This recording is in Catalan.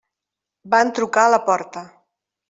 Van trucar a la porta.